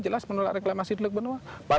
jelas menolak reklamasi teluk benua